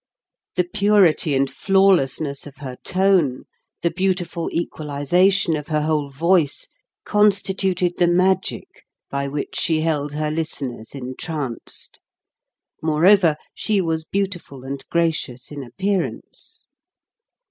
The purity and flawlessness of her tone, the beauti ful equalization of her whole voice, constituted the magic by which she held her listeners en tranced. Moreover, she was beautiful and gracious in appearance.